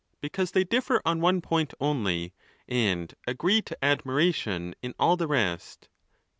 —Because they differ on one point only, and agree to admiration in all the rest.